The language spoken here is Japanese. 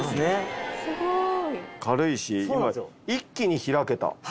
軽いし今一気に開けた。